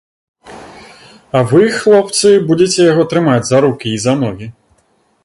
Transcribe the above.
А вы, хлопцы, будзеце яго трымаць за рукі і за ногі.